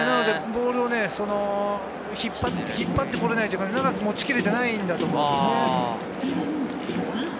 ボールを引っ張ってこれないというか、長く持ちきれていないんだと思うんですね。